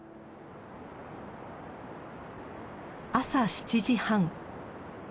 朝７時半。